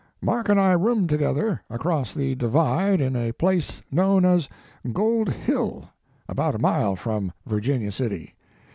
Mark and I roomed together across the divide in a place known as Gold Hill, about a mile from Virginia City.